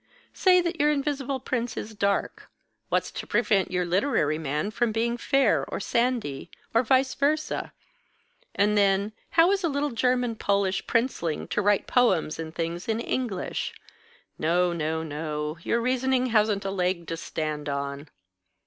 Say that your Invisible Prince is dark, what's to prevent your literary man from being fair or sandy? Or vice versâ? And then, how is a little German Polish princeling to write poems and things in English? No, no, no; your reasoning hasn't a leg to stand on."